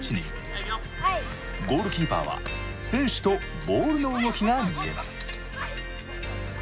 ゴールキーパーは選手とボールの動きが見えます。